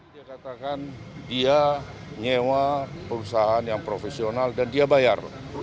dia katakan dia nyewa perusahaan yang profesional dan dia bayar